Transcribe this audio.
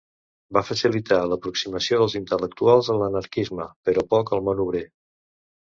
Va facilitar l'aproximació dels intel·lectuals a l'anarquisme, però poc al món obrer.